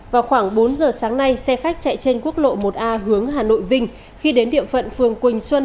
vào khoảng bốn giờ sáng nay xe khách chạy trên quốc lộ một a hướng hà nội vinh khi đến địa phận phường quỳnh xuân